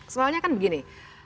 soalnya kan begini